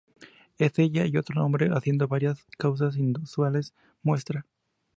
Es ella y otro hombre haciendo varias cosas inusuales muestra.